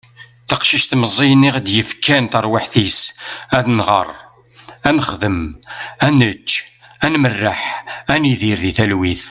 taqcict meẓẓiyen i aɣ-d-yefkan taṛwiḥt-is ad nɣeṛ, ad nexdem, ad nečč, ad merreḥ, ad nidir di talwit